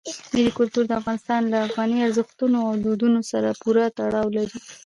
ملي کلتور د افغانستان له افغاني ارزښتونو او دودونو سره پوره تړاو لري.